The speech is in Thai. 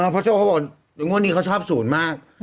พระเจ้าเขาบอกว่างว่านี้เขาชอบ๐มาก